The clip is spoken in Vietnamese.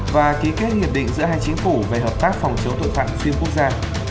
và ký kết hiệp định giữa hai chính phủ về hợp tác phòng chống tội phạm xuyên quốc gia